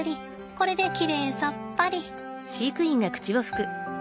これできれいさっぱり。